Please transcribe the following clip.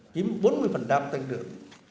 kiếm bốn mươi tăng trưởng